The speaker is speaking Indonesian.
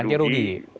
ganti rugi ya